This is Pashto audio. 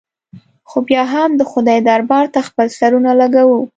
خو بیا هم د خدای دربار ته خپل سرونه لږوو.